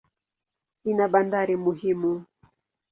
Ina bandari muhimu.